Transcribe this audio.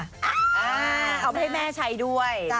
อ้าให้แม่ใช้ด้วย